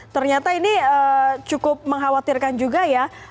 ternyata ini cukup mengkhawatirkan juga ya